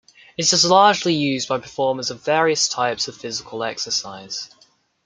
It is largely used by performers of various types of physical exercise.